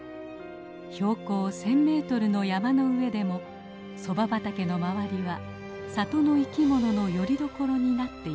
標高１，０００メートルの山の上でもソバ畑の周りは里の生きもののよりどころになっているのです。